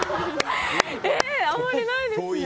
あんまりないですね。